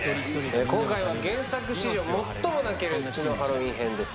今回は原作史上最も泣ける『血のハロウィン編』です。